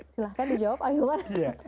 silahkan dijawab hilman